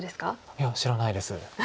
いや知らないです。